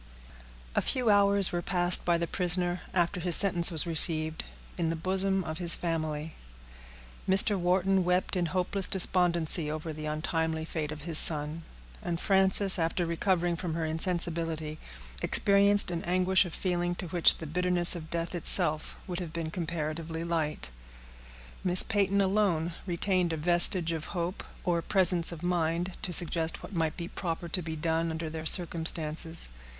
_ A few hours were passed by the prisoner, after his sentence was received, in the bosom of his family. Mr. Wharton wept in hopeless despondency over the untimely fate of his son; and Frances, after recovering from her insensibility, experienced an anguish of feeling to which the bitterness of death itself would have been comparatively light. Miss Peyton alone retained a vestige of hope, or presence of mind to suggest what might be proper to be done under their circumstances.